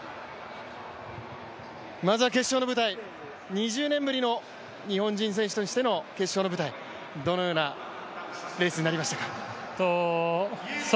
まずは決勝の舞台、２０年ぶりの日本人選手としての決勝の舞台、どのようなレースになりましたか。